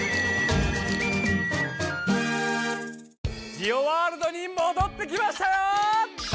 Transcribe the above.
ジオワールドにもどってきましたよ！